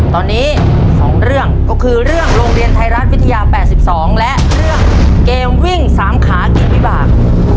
ตอนนี้๒เรื่องก็คือเรื่องโรงเรียนไทยรัฐวิทยา๘๒และเรื่องเกมวิ่ง๓ขากินวิบาก